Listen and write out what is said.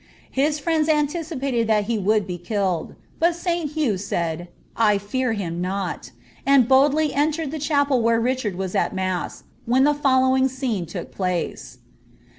His friends anticipated that he would be killed', but Sl [liuh said, " I fear him not," and boldly entered the chapel where Richard <n* at mass, when the following scene took place.